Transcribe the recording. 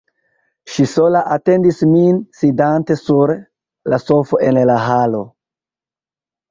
Ŝi sola atendis min, sidante sur la sofo en la halo.